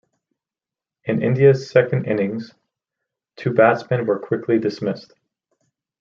In India's second innings, two batsmen were quickly dismissed.